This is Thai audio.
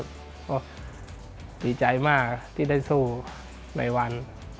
ผมก็ดีใจมากที่สู้ในวัน